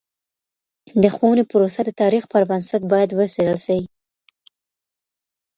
د ښوونې پروسه د تاریخ پر بنسټ باید وڅېړل سي.